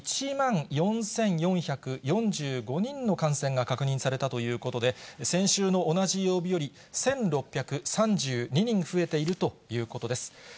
１万４４４５人の感染が確認されたということで、先週の同じ曜日より、１６３２人増えているということです。